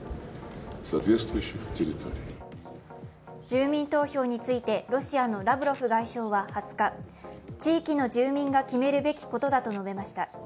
住民投票についてロシアのラブロフ外相は２０日、地域の住民が決めるべきことだと述べました。